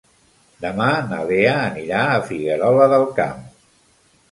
Demà na Lea anirà a Figuerola del Camp.